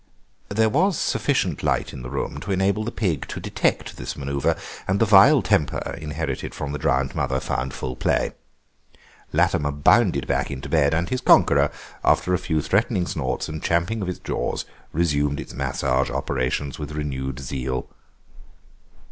There was sufficient light in the room to enable the pig to detect this manœuvre, and the vile temper, inherited from the drowned mother, found full play. Latimer bounded back into bed, and his conqueror, after a few threatening snorts and champings of its jaws, resumed its massage operations with renewed zeal.